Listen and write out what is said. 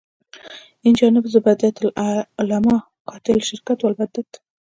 اینجانب زبدة العلما قاطع شرک و البدعت.